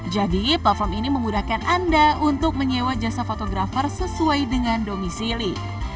jadi platform ini memudahkan anda untuk menyewa jasa fotografer sesuai dengan domisili